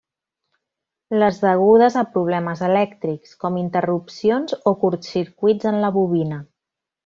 Les degudes a problemes elèctrics, com interrupcions o curtcircuits en la bobina.